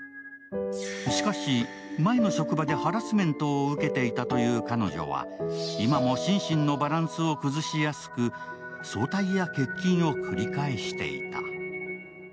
しかし、前の職場でハラスメントを受けていたという彼女は今も心身のバランスを崩しやすく早退や欠勤を繰り返していた。